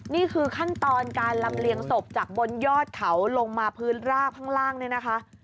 นี่คือขั้นตอนการลำเลียงศพจากบนยอดเขาลงมาพื้นรากข้างล่างเนี่ยนะคะ